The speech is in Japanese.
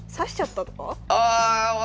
ああ！